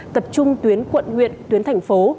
tập trung tuyến quận nguyện tuyến thành phố